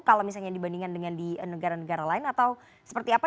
kalau misalnya dibandingkan dengan di negara negara lain atau seperti apa